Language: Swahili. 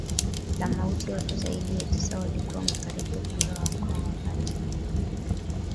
la mauti Watu zaidi ya tisa walikuwa wamefariki upande wa Hong Kong wakati